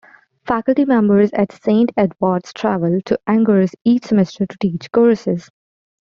Faculty members at Saint Edward's travel to Angers each semester to teach courses.